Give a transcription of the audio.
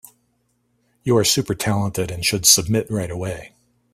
You are super talented and should submit right away.